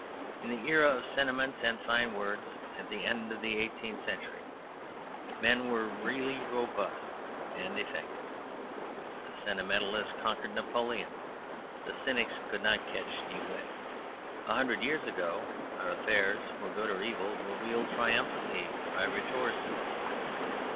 In the era of sentiment and fine words, at the end of the eighteenth century, men were really robust and effective. The sentimentalists conquered Napoleon. The cynics could not catch De Wet. A hundred years ago our affairs for good or evil were wielded triumphantly by rhetoricians.